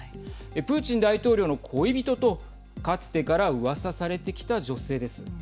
プーチン大統領の恋人とかつてからうわさされてきた女性です。